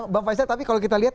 bang faisal tapi kalau kita lihat